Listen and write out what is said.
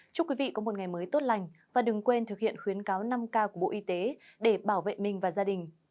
chúc quý vị có một ngày mới tốt lành và đừng quên thực hiện khuyến cáo năm k của bộ y tế để bảo vệ mình và gia đình